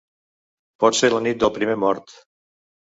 Potser la nit del primer mort.